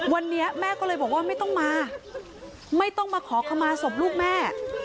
วันนี้แม่ก็เลยบอกว่าไม่ต้องมาไม่ต้องมาขอขมาศพลูกแม่